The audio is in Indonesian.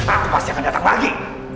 aku pasti akan datang lagi